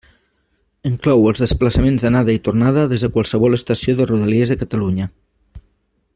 Inclou el desplaçament d'anada i tornada des de qualsevol estació de Rodalies de Catalunya.